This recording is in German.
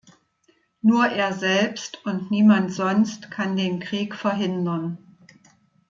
Nur er selbst und niemand sonst kann den Krieg verhindern.